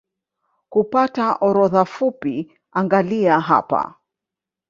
Kupata orodha fupi angalia hapa